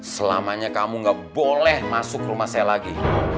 selamanya kamu gak boleh masuk rumah saya lagi